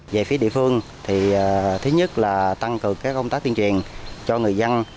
về phía địa phương thì thứ nhất là tăng cược công tác tiên truyền cho người dân